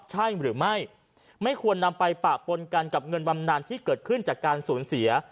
ใช่หรือไม่ไม่ควรนำไปปะปนกันกับเงินบำนานที่เกิดขึ้นจากการสูญเสีย